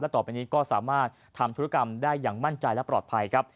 ต่อไปนี้ก็สามารถทำธุรกรรมได้อย่างมั่นใจและปลอดภัยครับ